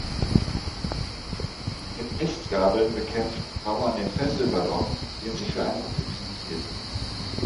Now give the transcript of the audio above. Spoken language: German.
Mit Mistgabeln bekämpften Bauern den Fesselballon, den Sie für ein Ungetüm hielten.